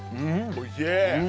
おいしい！